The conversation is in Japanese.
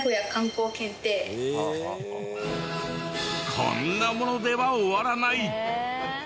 すごい！こんなものでは終わらない！